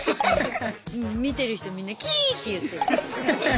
見てる人みんなキーッて言ってる。